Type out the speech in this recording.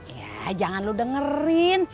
ya jangan lo dengerin